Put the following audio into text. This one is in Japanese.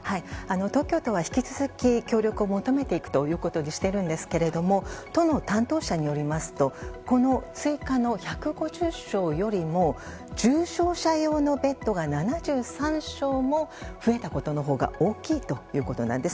東京都は引き続き協力を求めていくということにしているんですけど都の担当者によりますとこの追加の１５０床よりも重症者用のベッドが７３床も増えたことのほうが大きいということなんです。